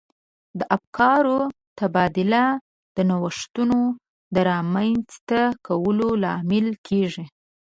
د افکارو تبادله د نوښتونو د رامنځته کولو لامل کیږي.